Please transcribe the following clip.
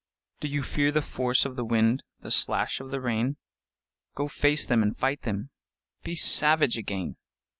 DO you fear the force of the wind, The slash of the rain? Go face them and fight them, Be savage again.